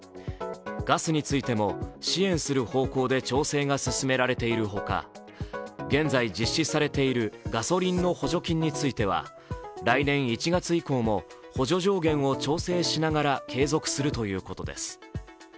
ガスについても支援する方向で調整が進められているほか現在、実施されているガソリンの補助金については来年１月以降も補助上限を調整しながら継続するということです。